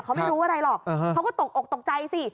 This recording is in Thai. เขาไม่รู้อะไรหรอกเขาก็ตกอกตกใจสิ